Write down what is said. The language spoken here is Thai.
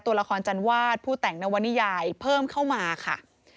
ตัวละครจันวาดผู้แต่งนวนิยายเพิ่มเข้ามาค่ะ